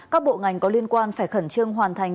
các bộ ngành có liên quan phải khẩn trương hoàn thành